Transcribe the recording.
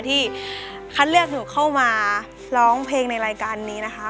ที่คัดเลือกหนูเข้ามาร้องเพลงในรายการนี้นะคะ